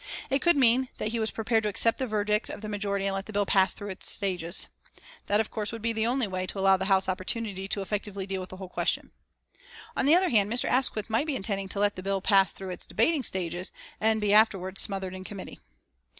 It could mean that he was prepared to accept the verdict of the majority and let the bill pass through all its stages. That of course would be the only way to allow the House opportunity effectively to deal with the whole question. On the other hand Mr. Asquith might be intending to let the bill pass through its debating stages and be afterwards smothered in committee.